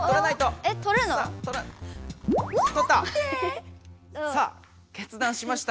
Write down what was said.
取った！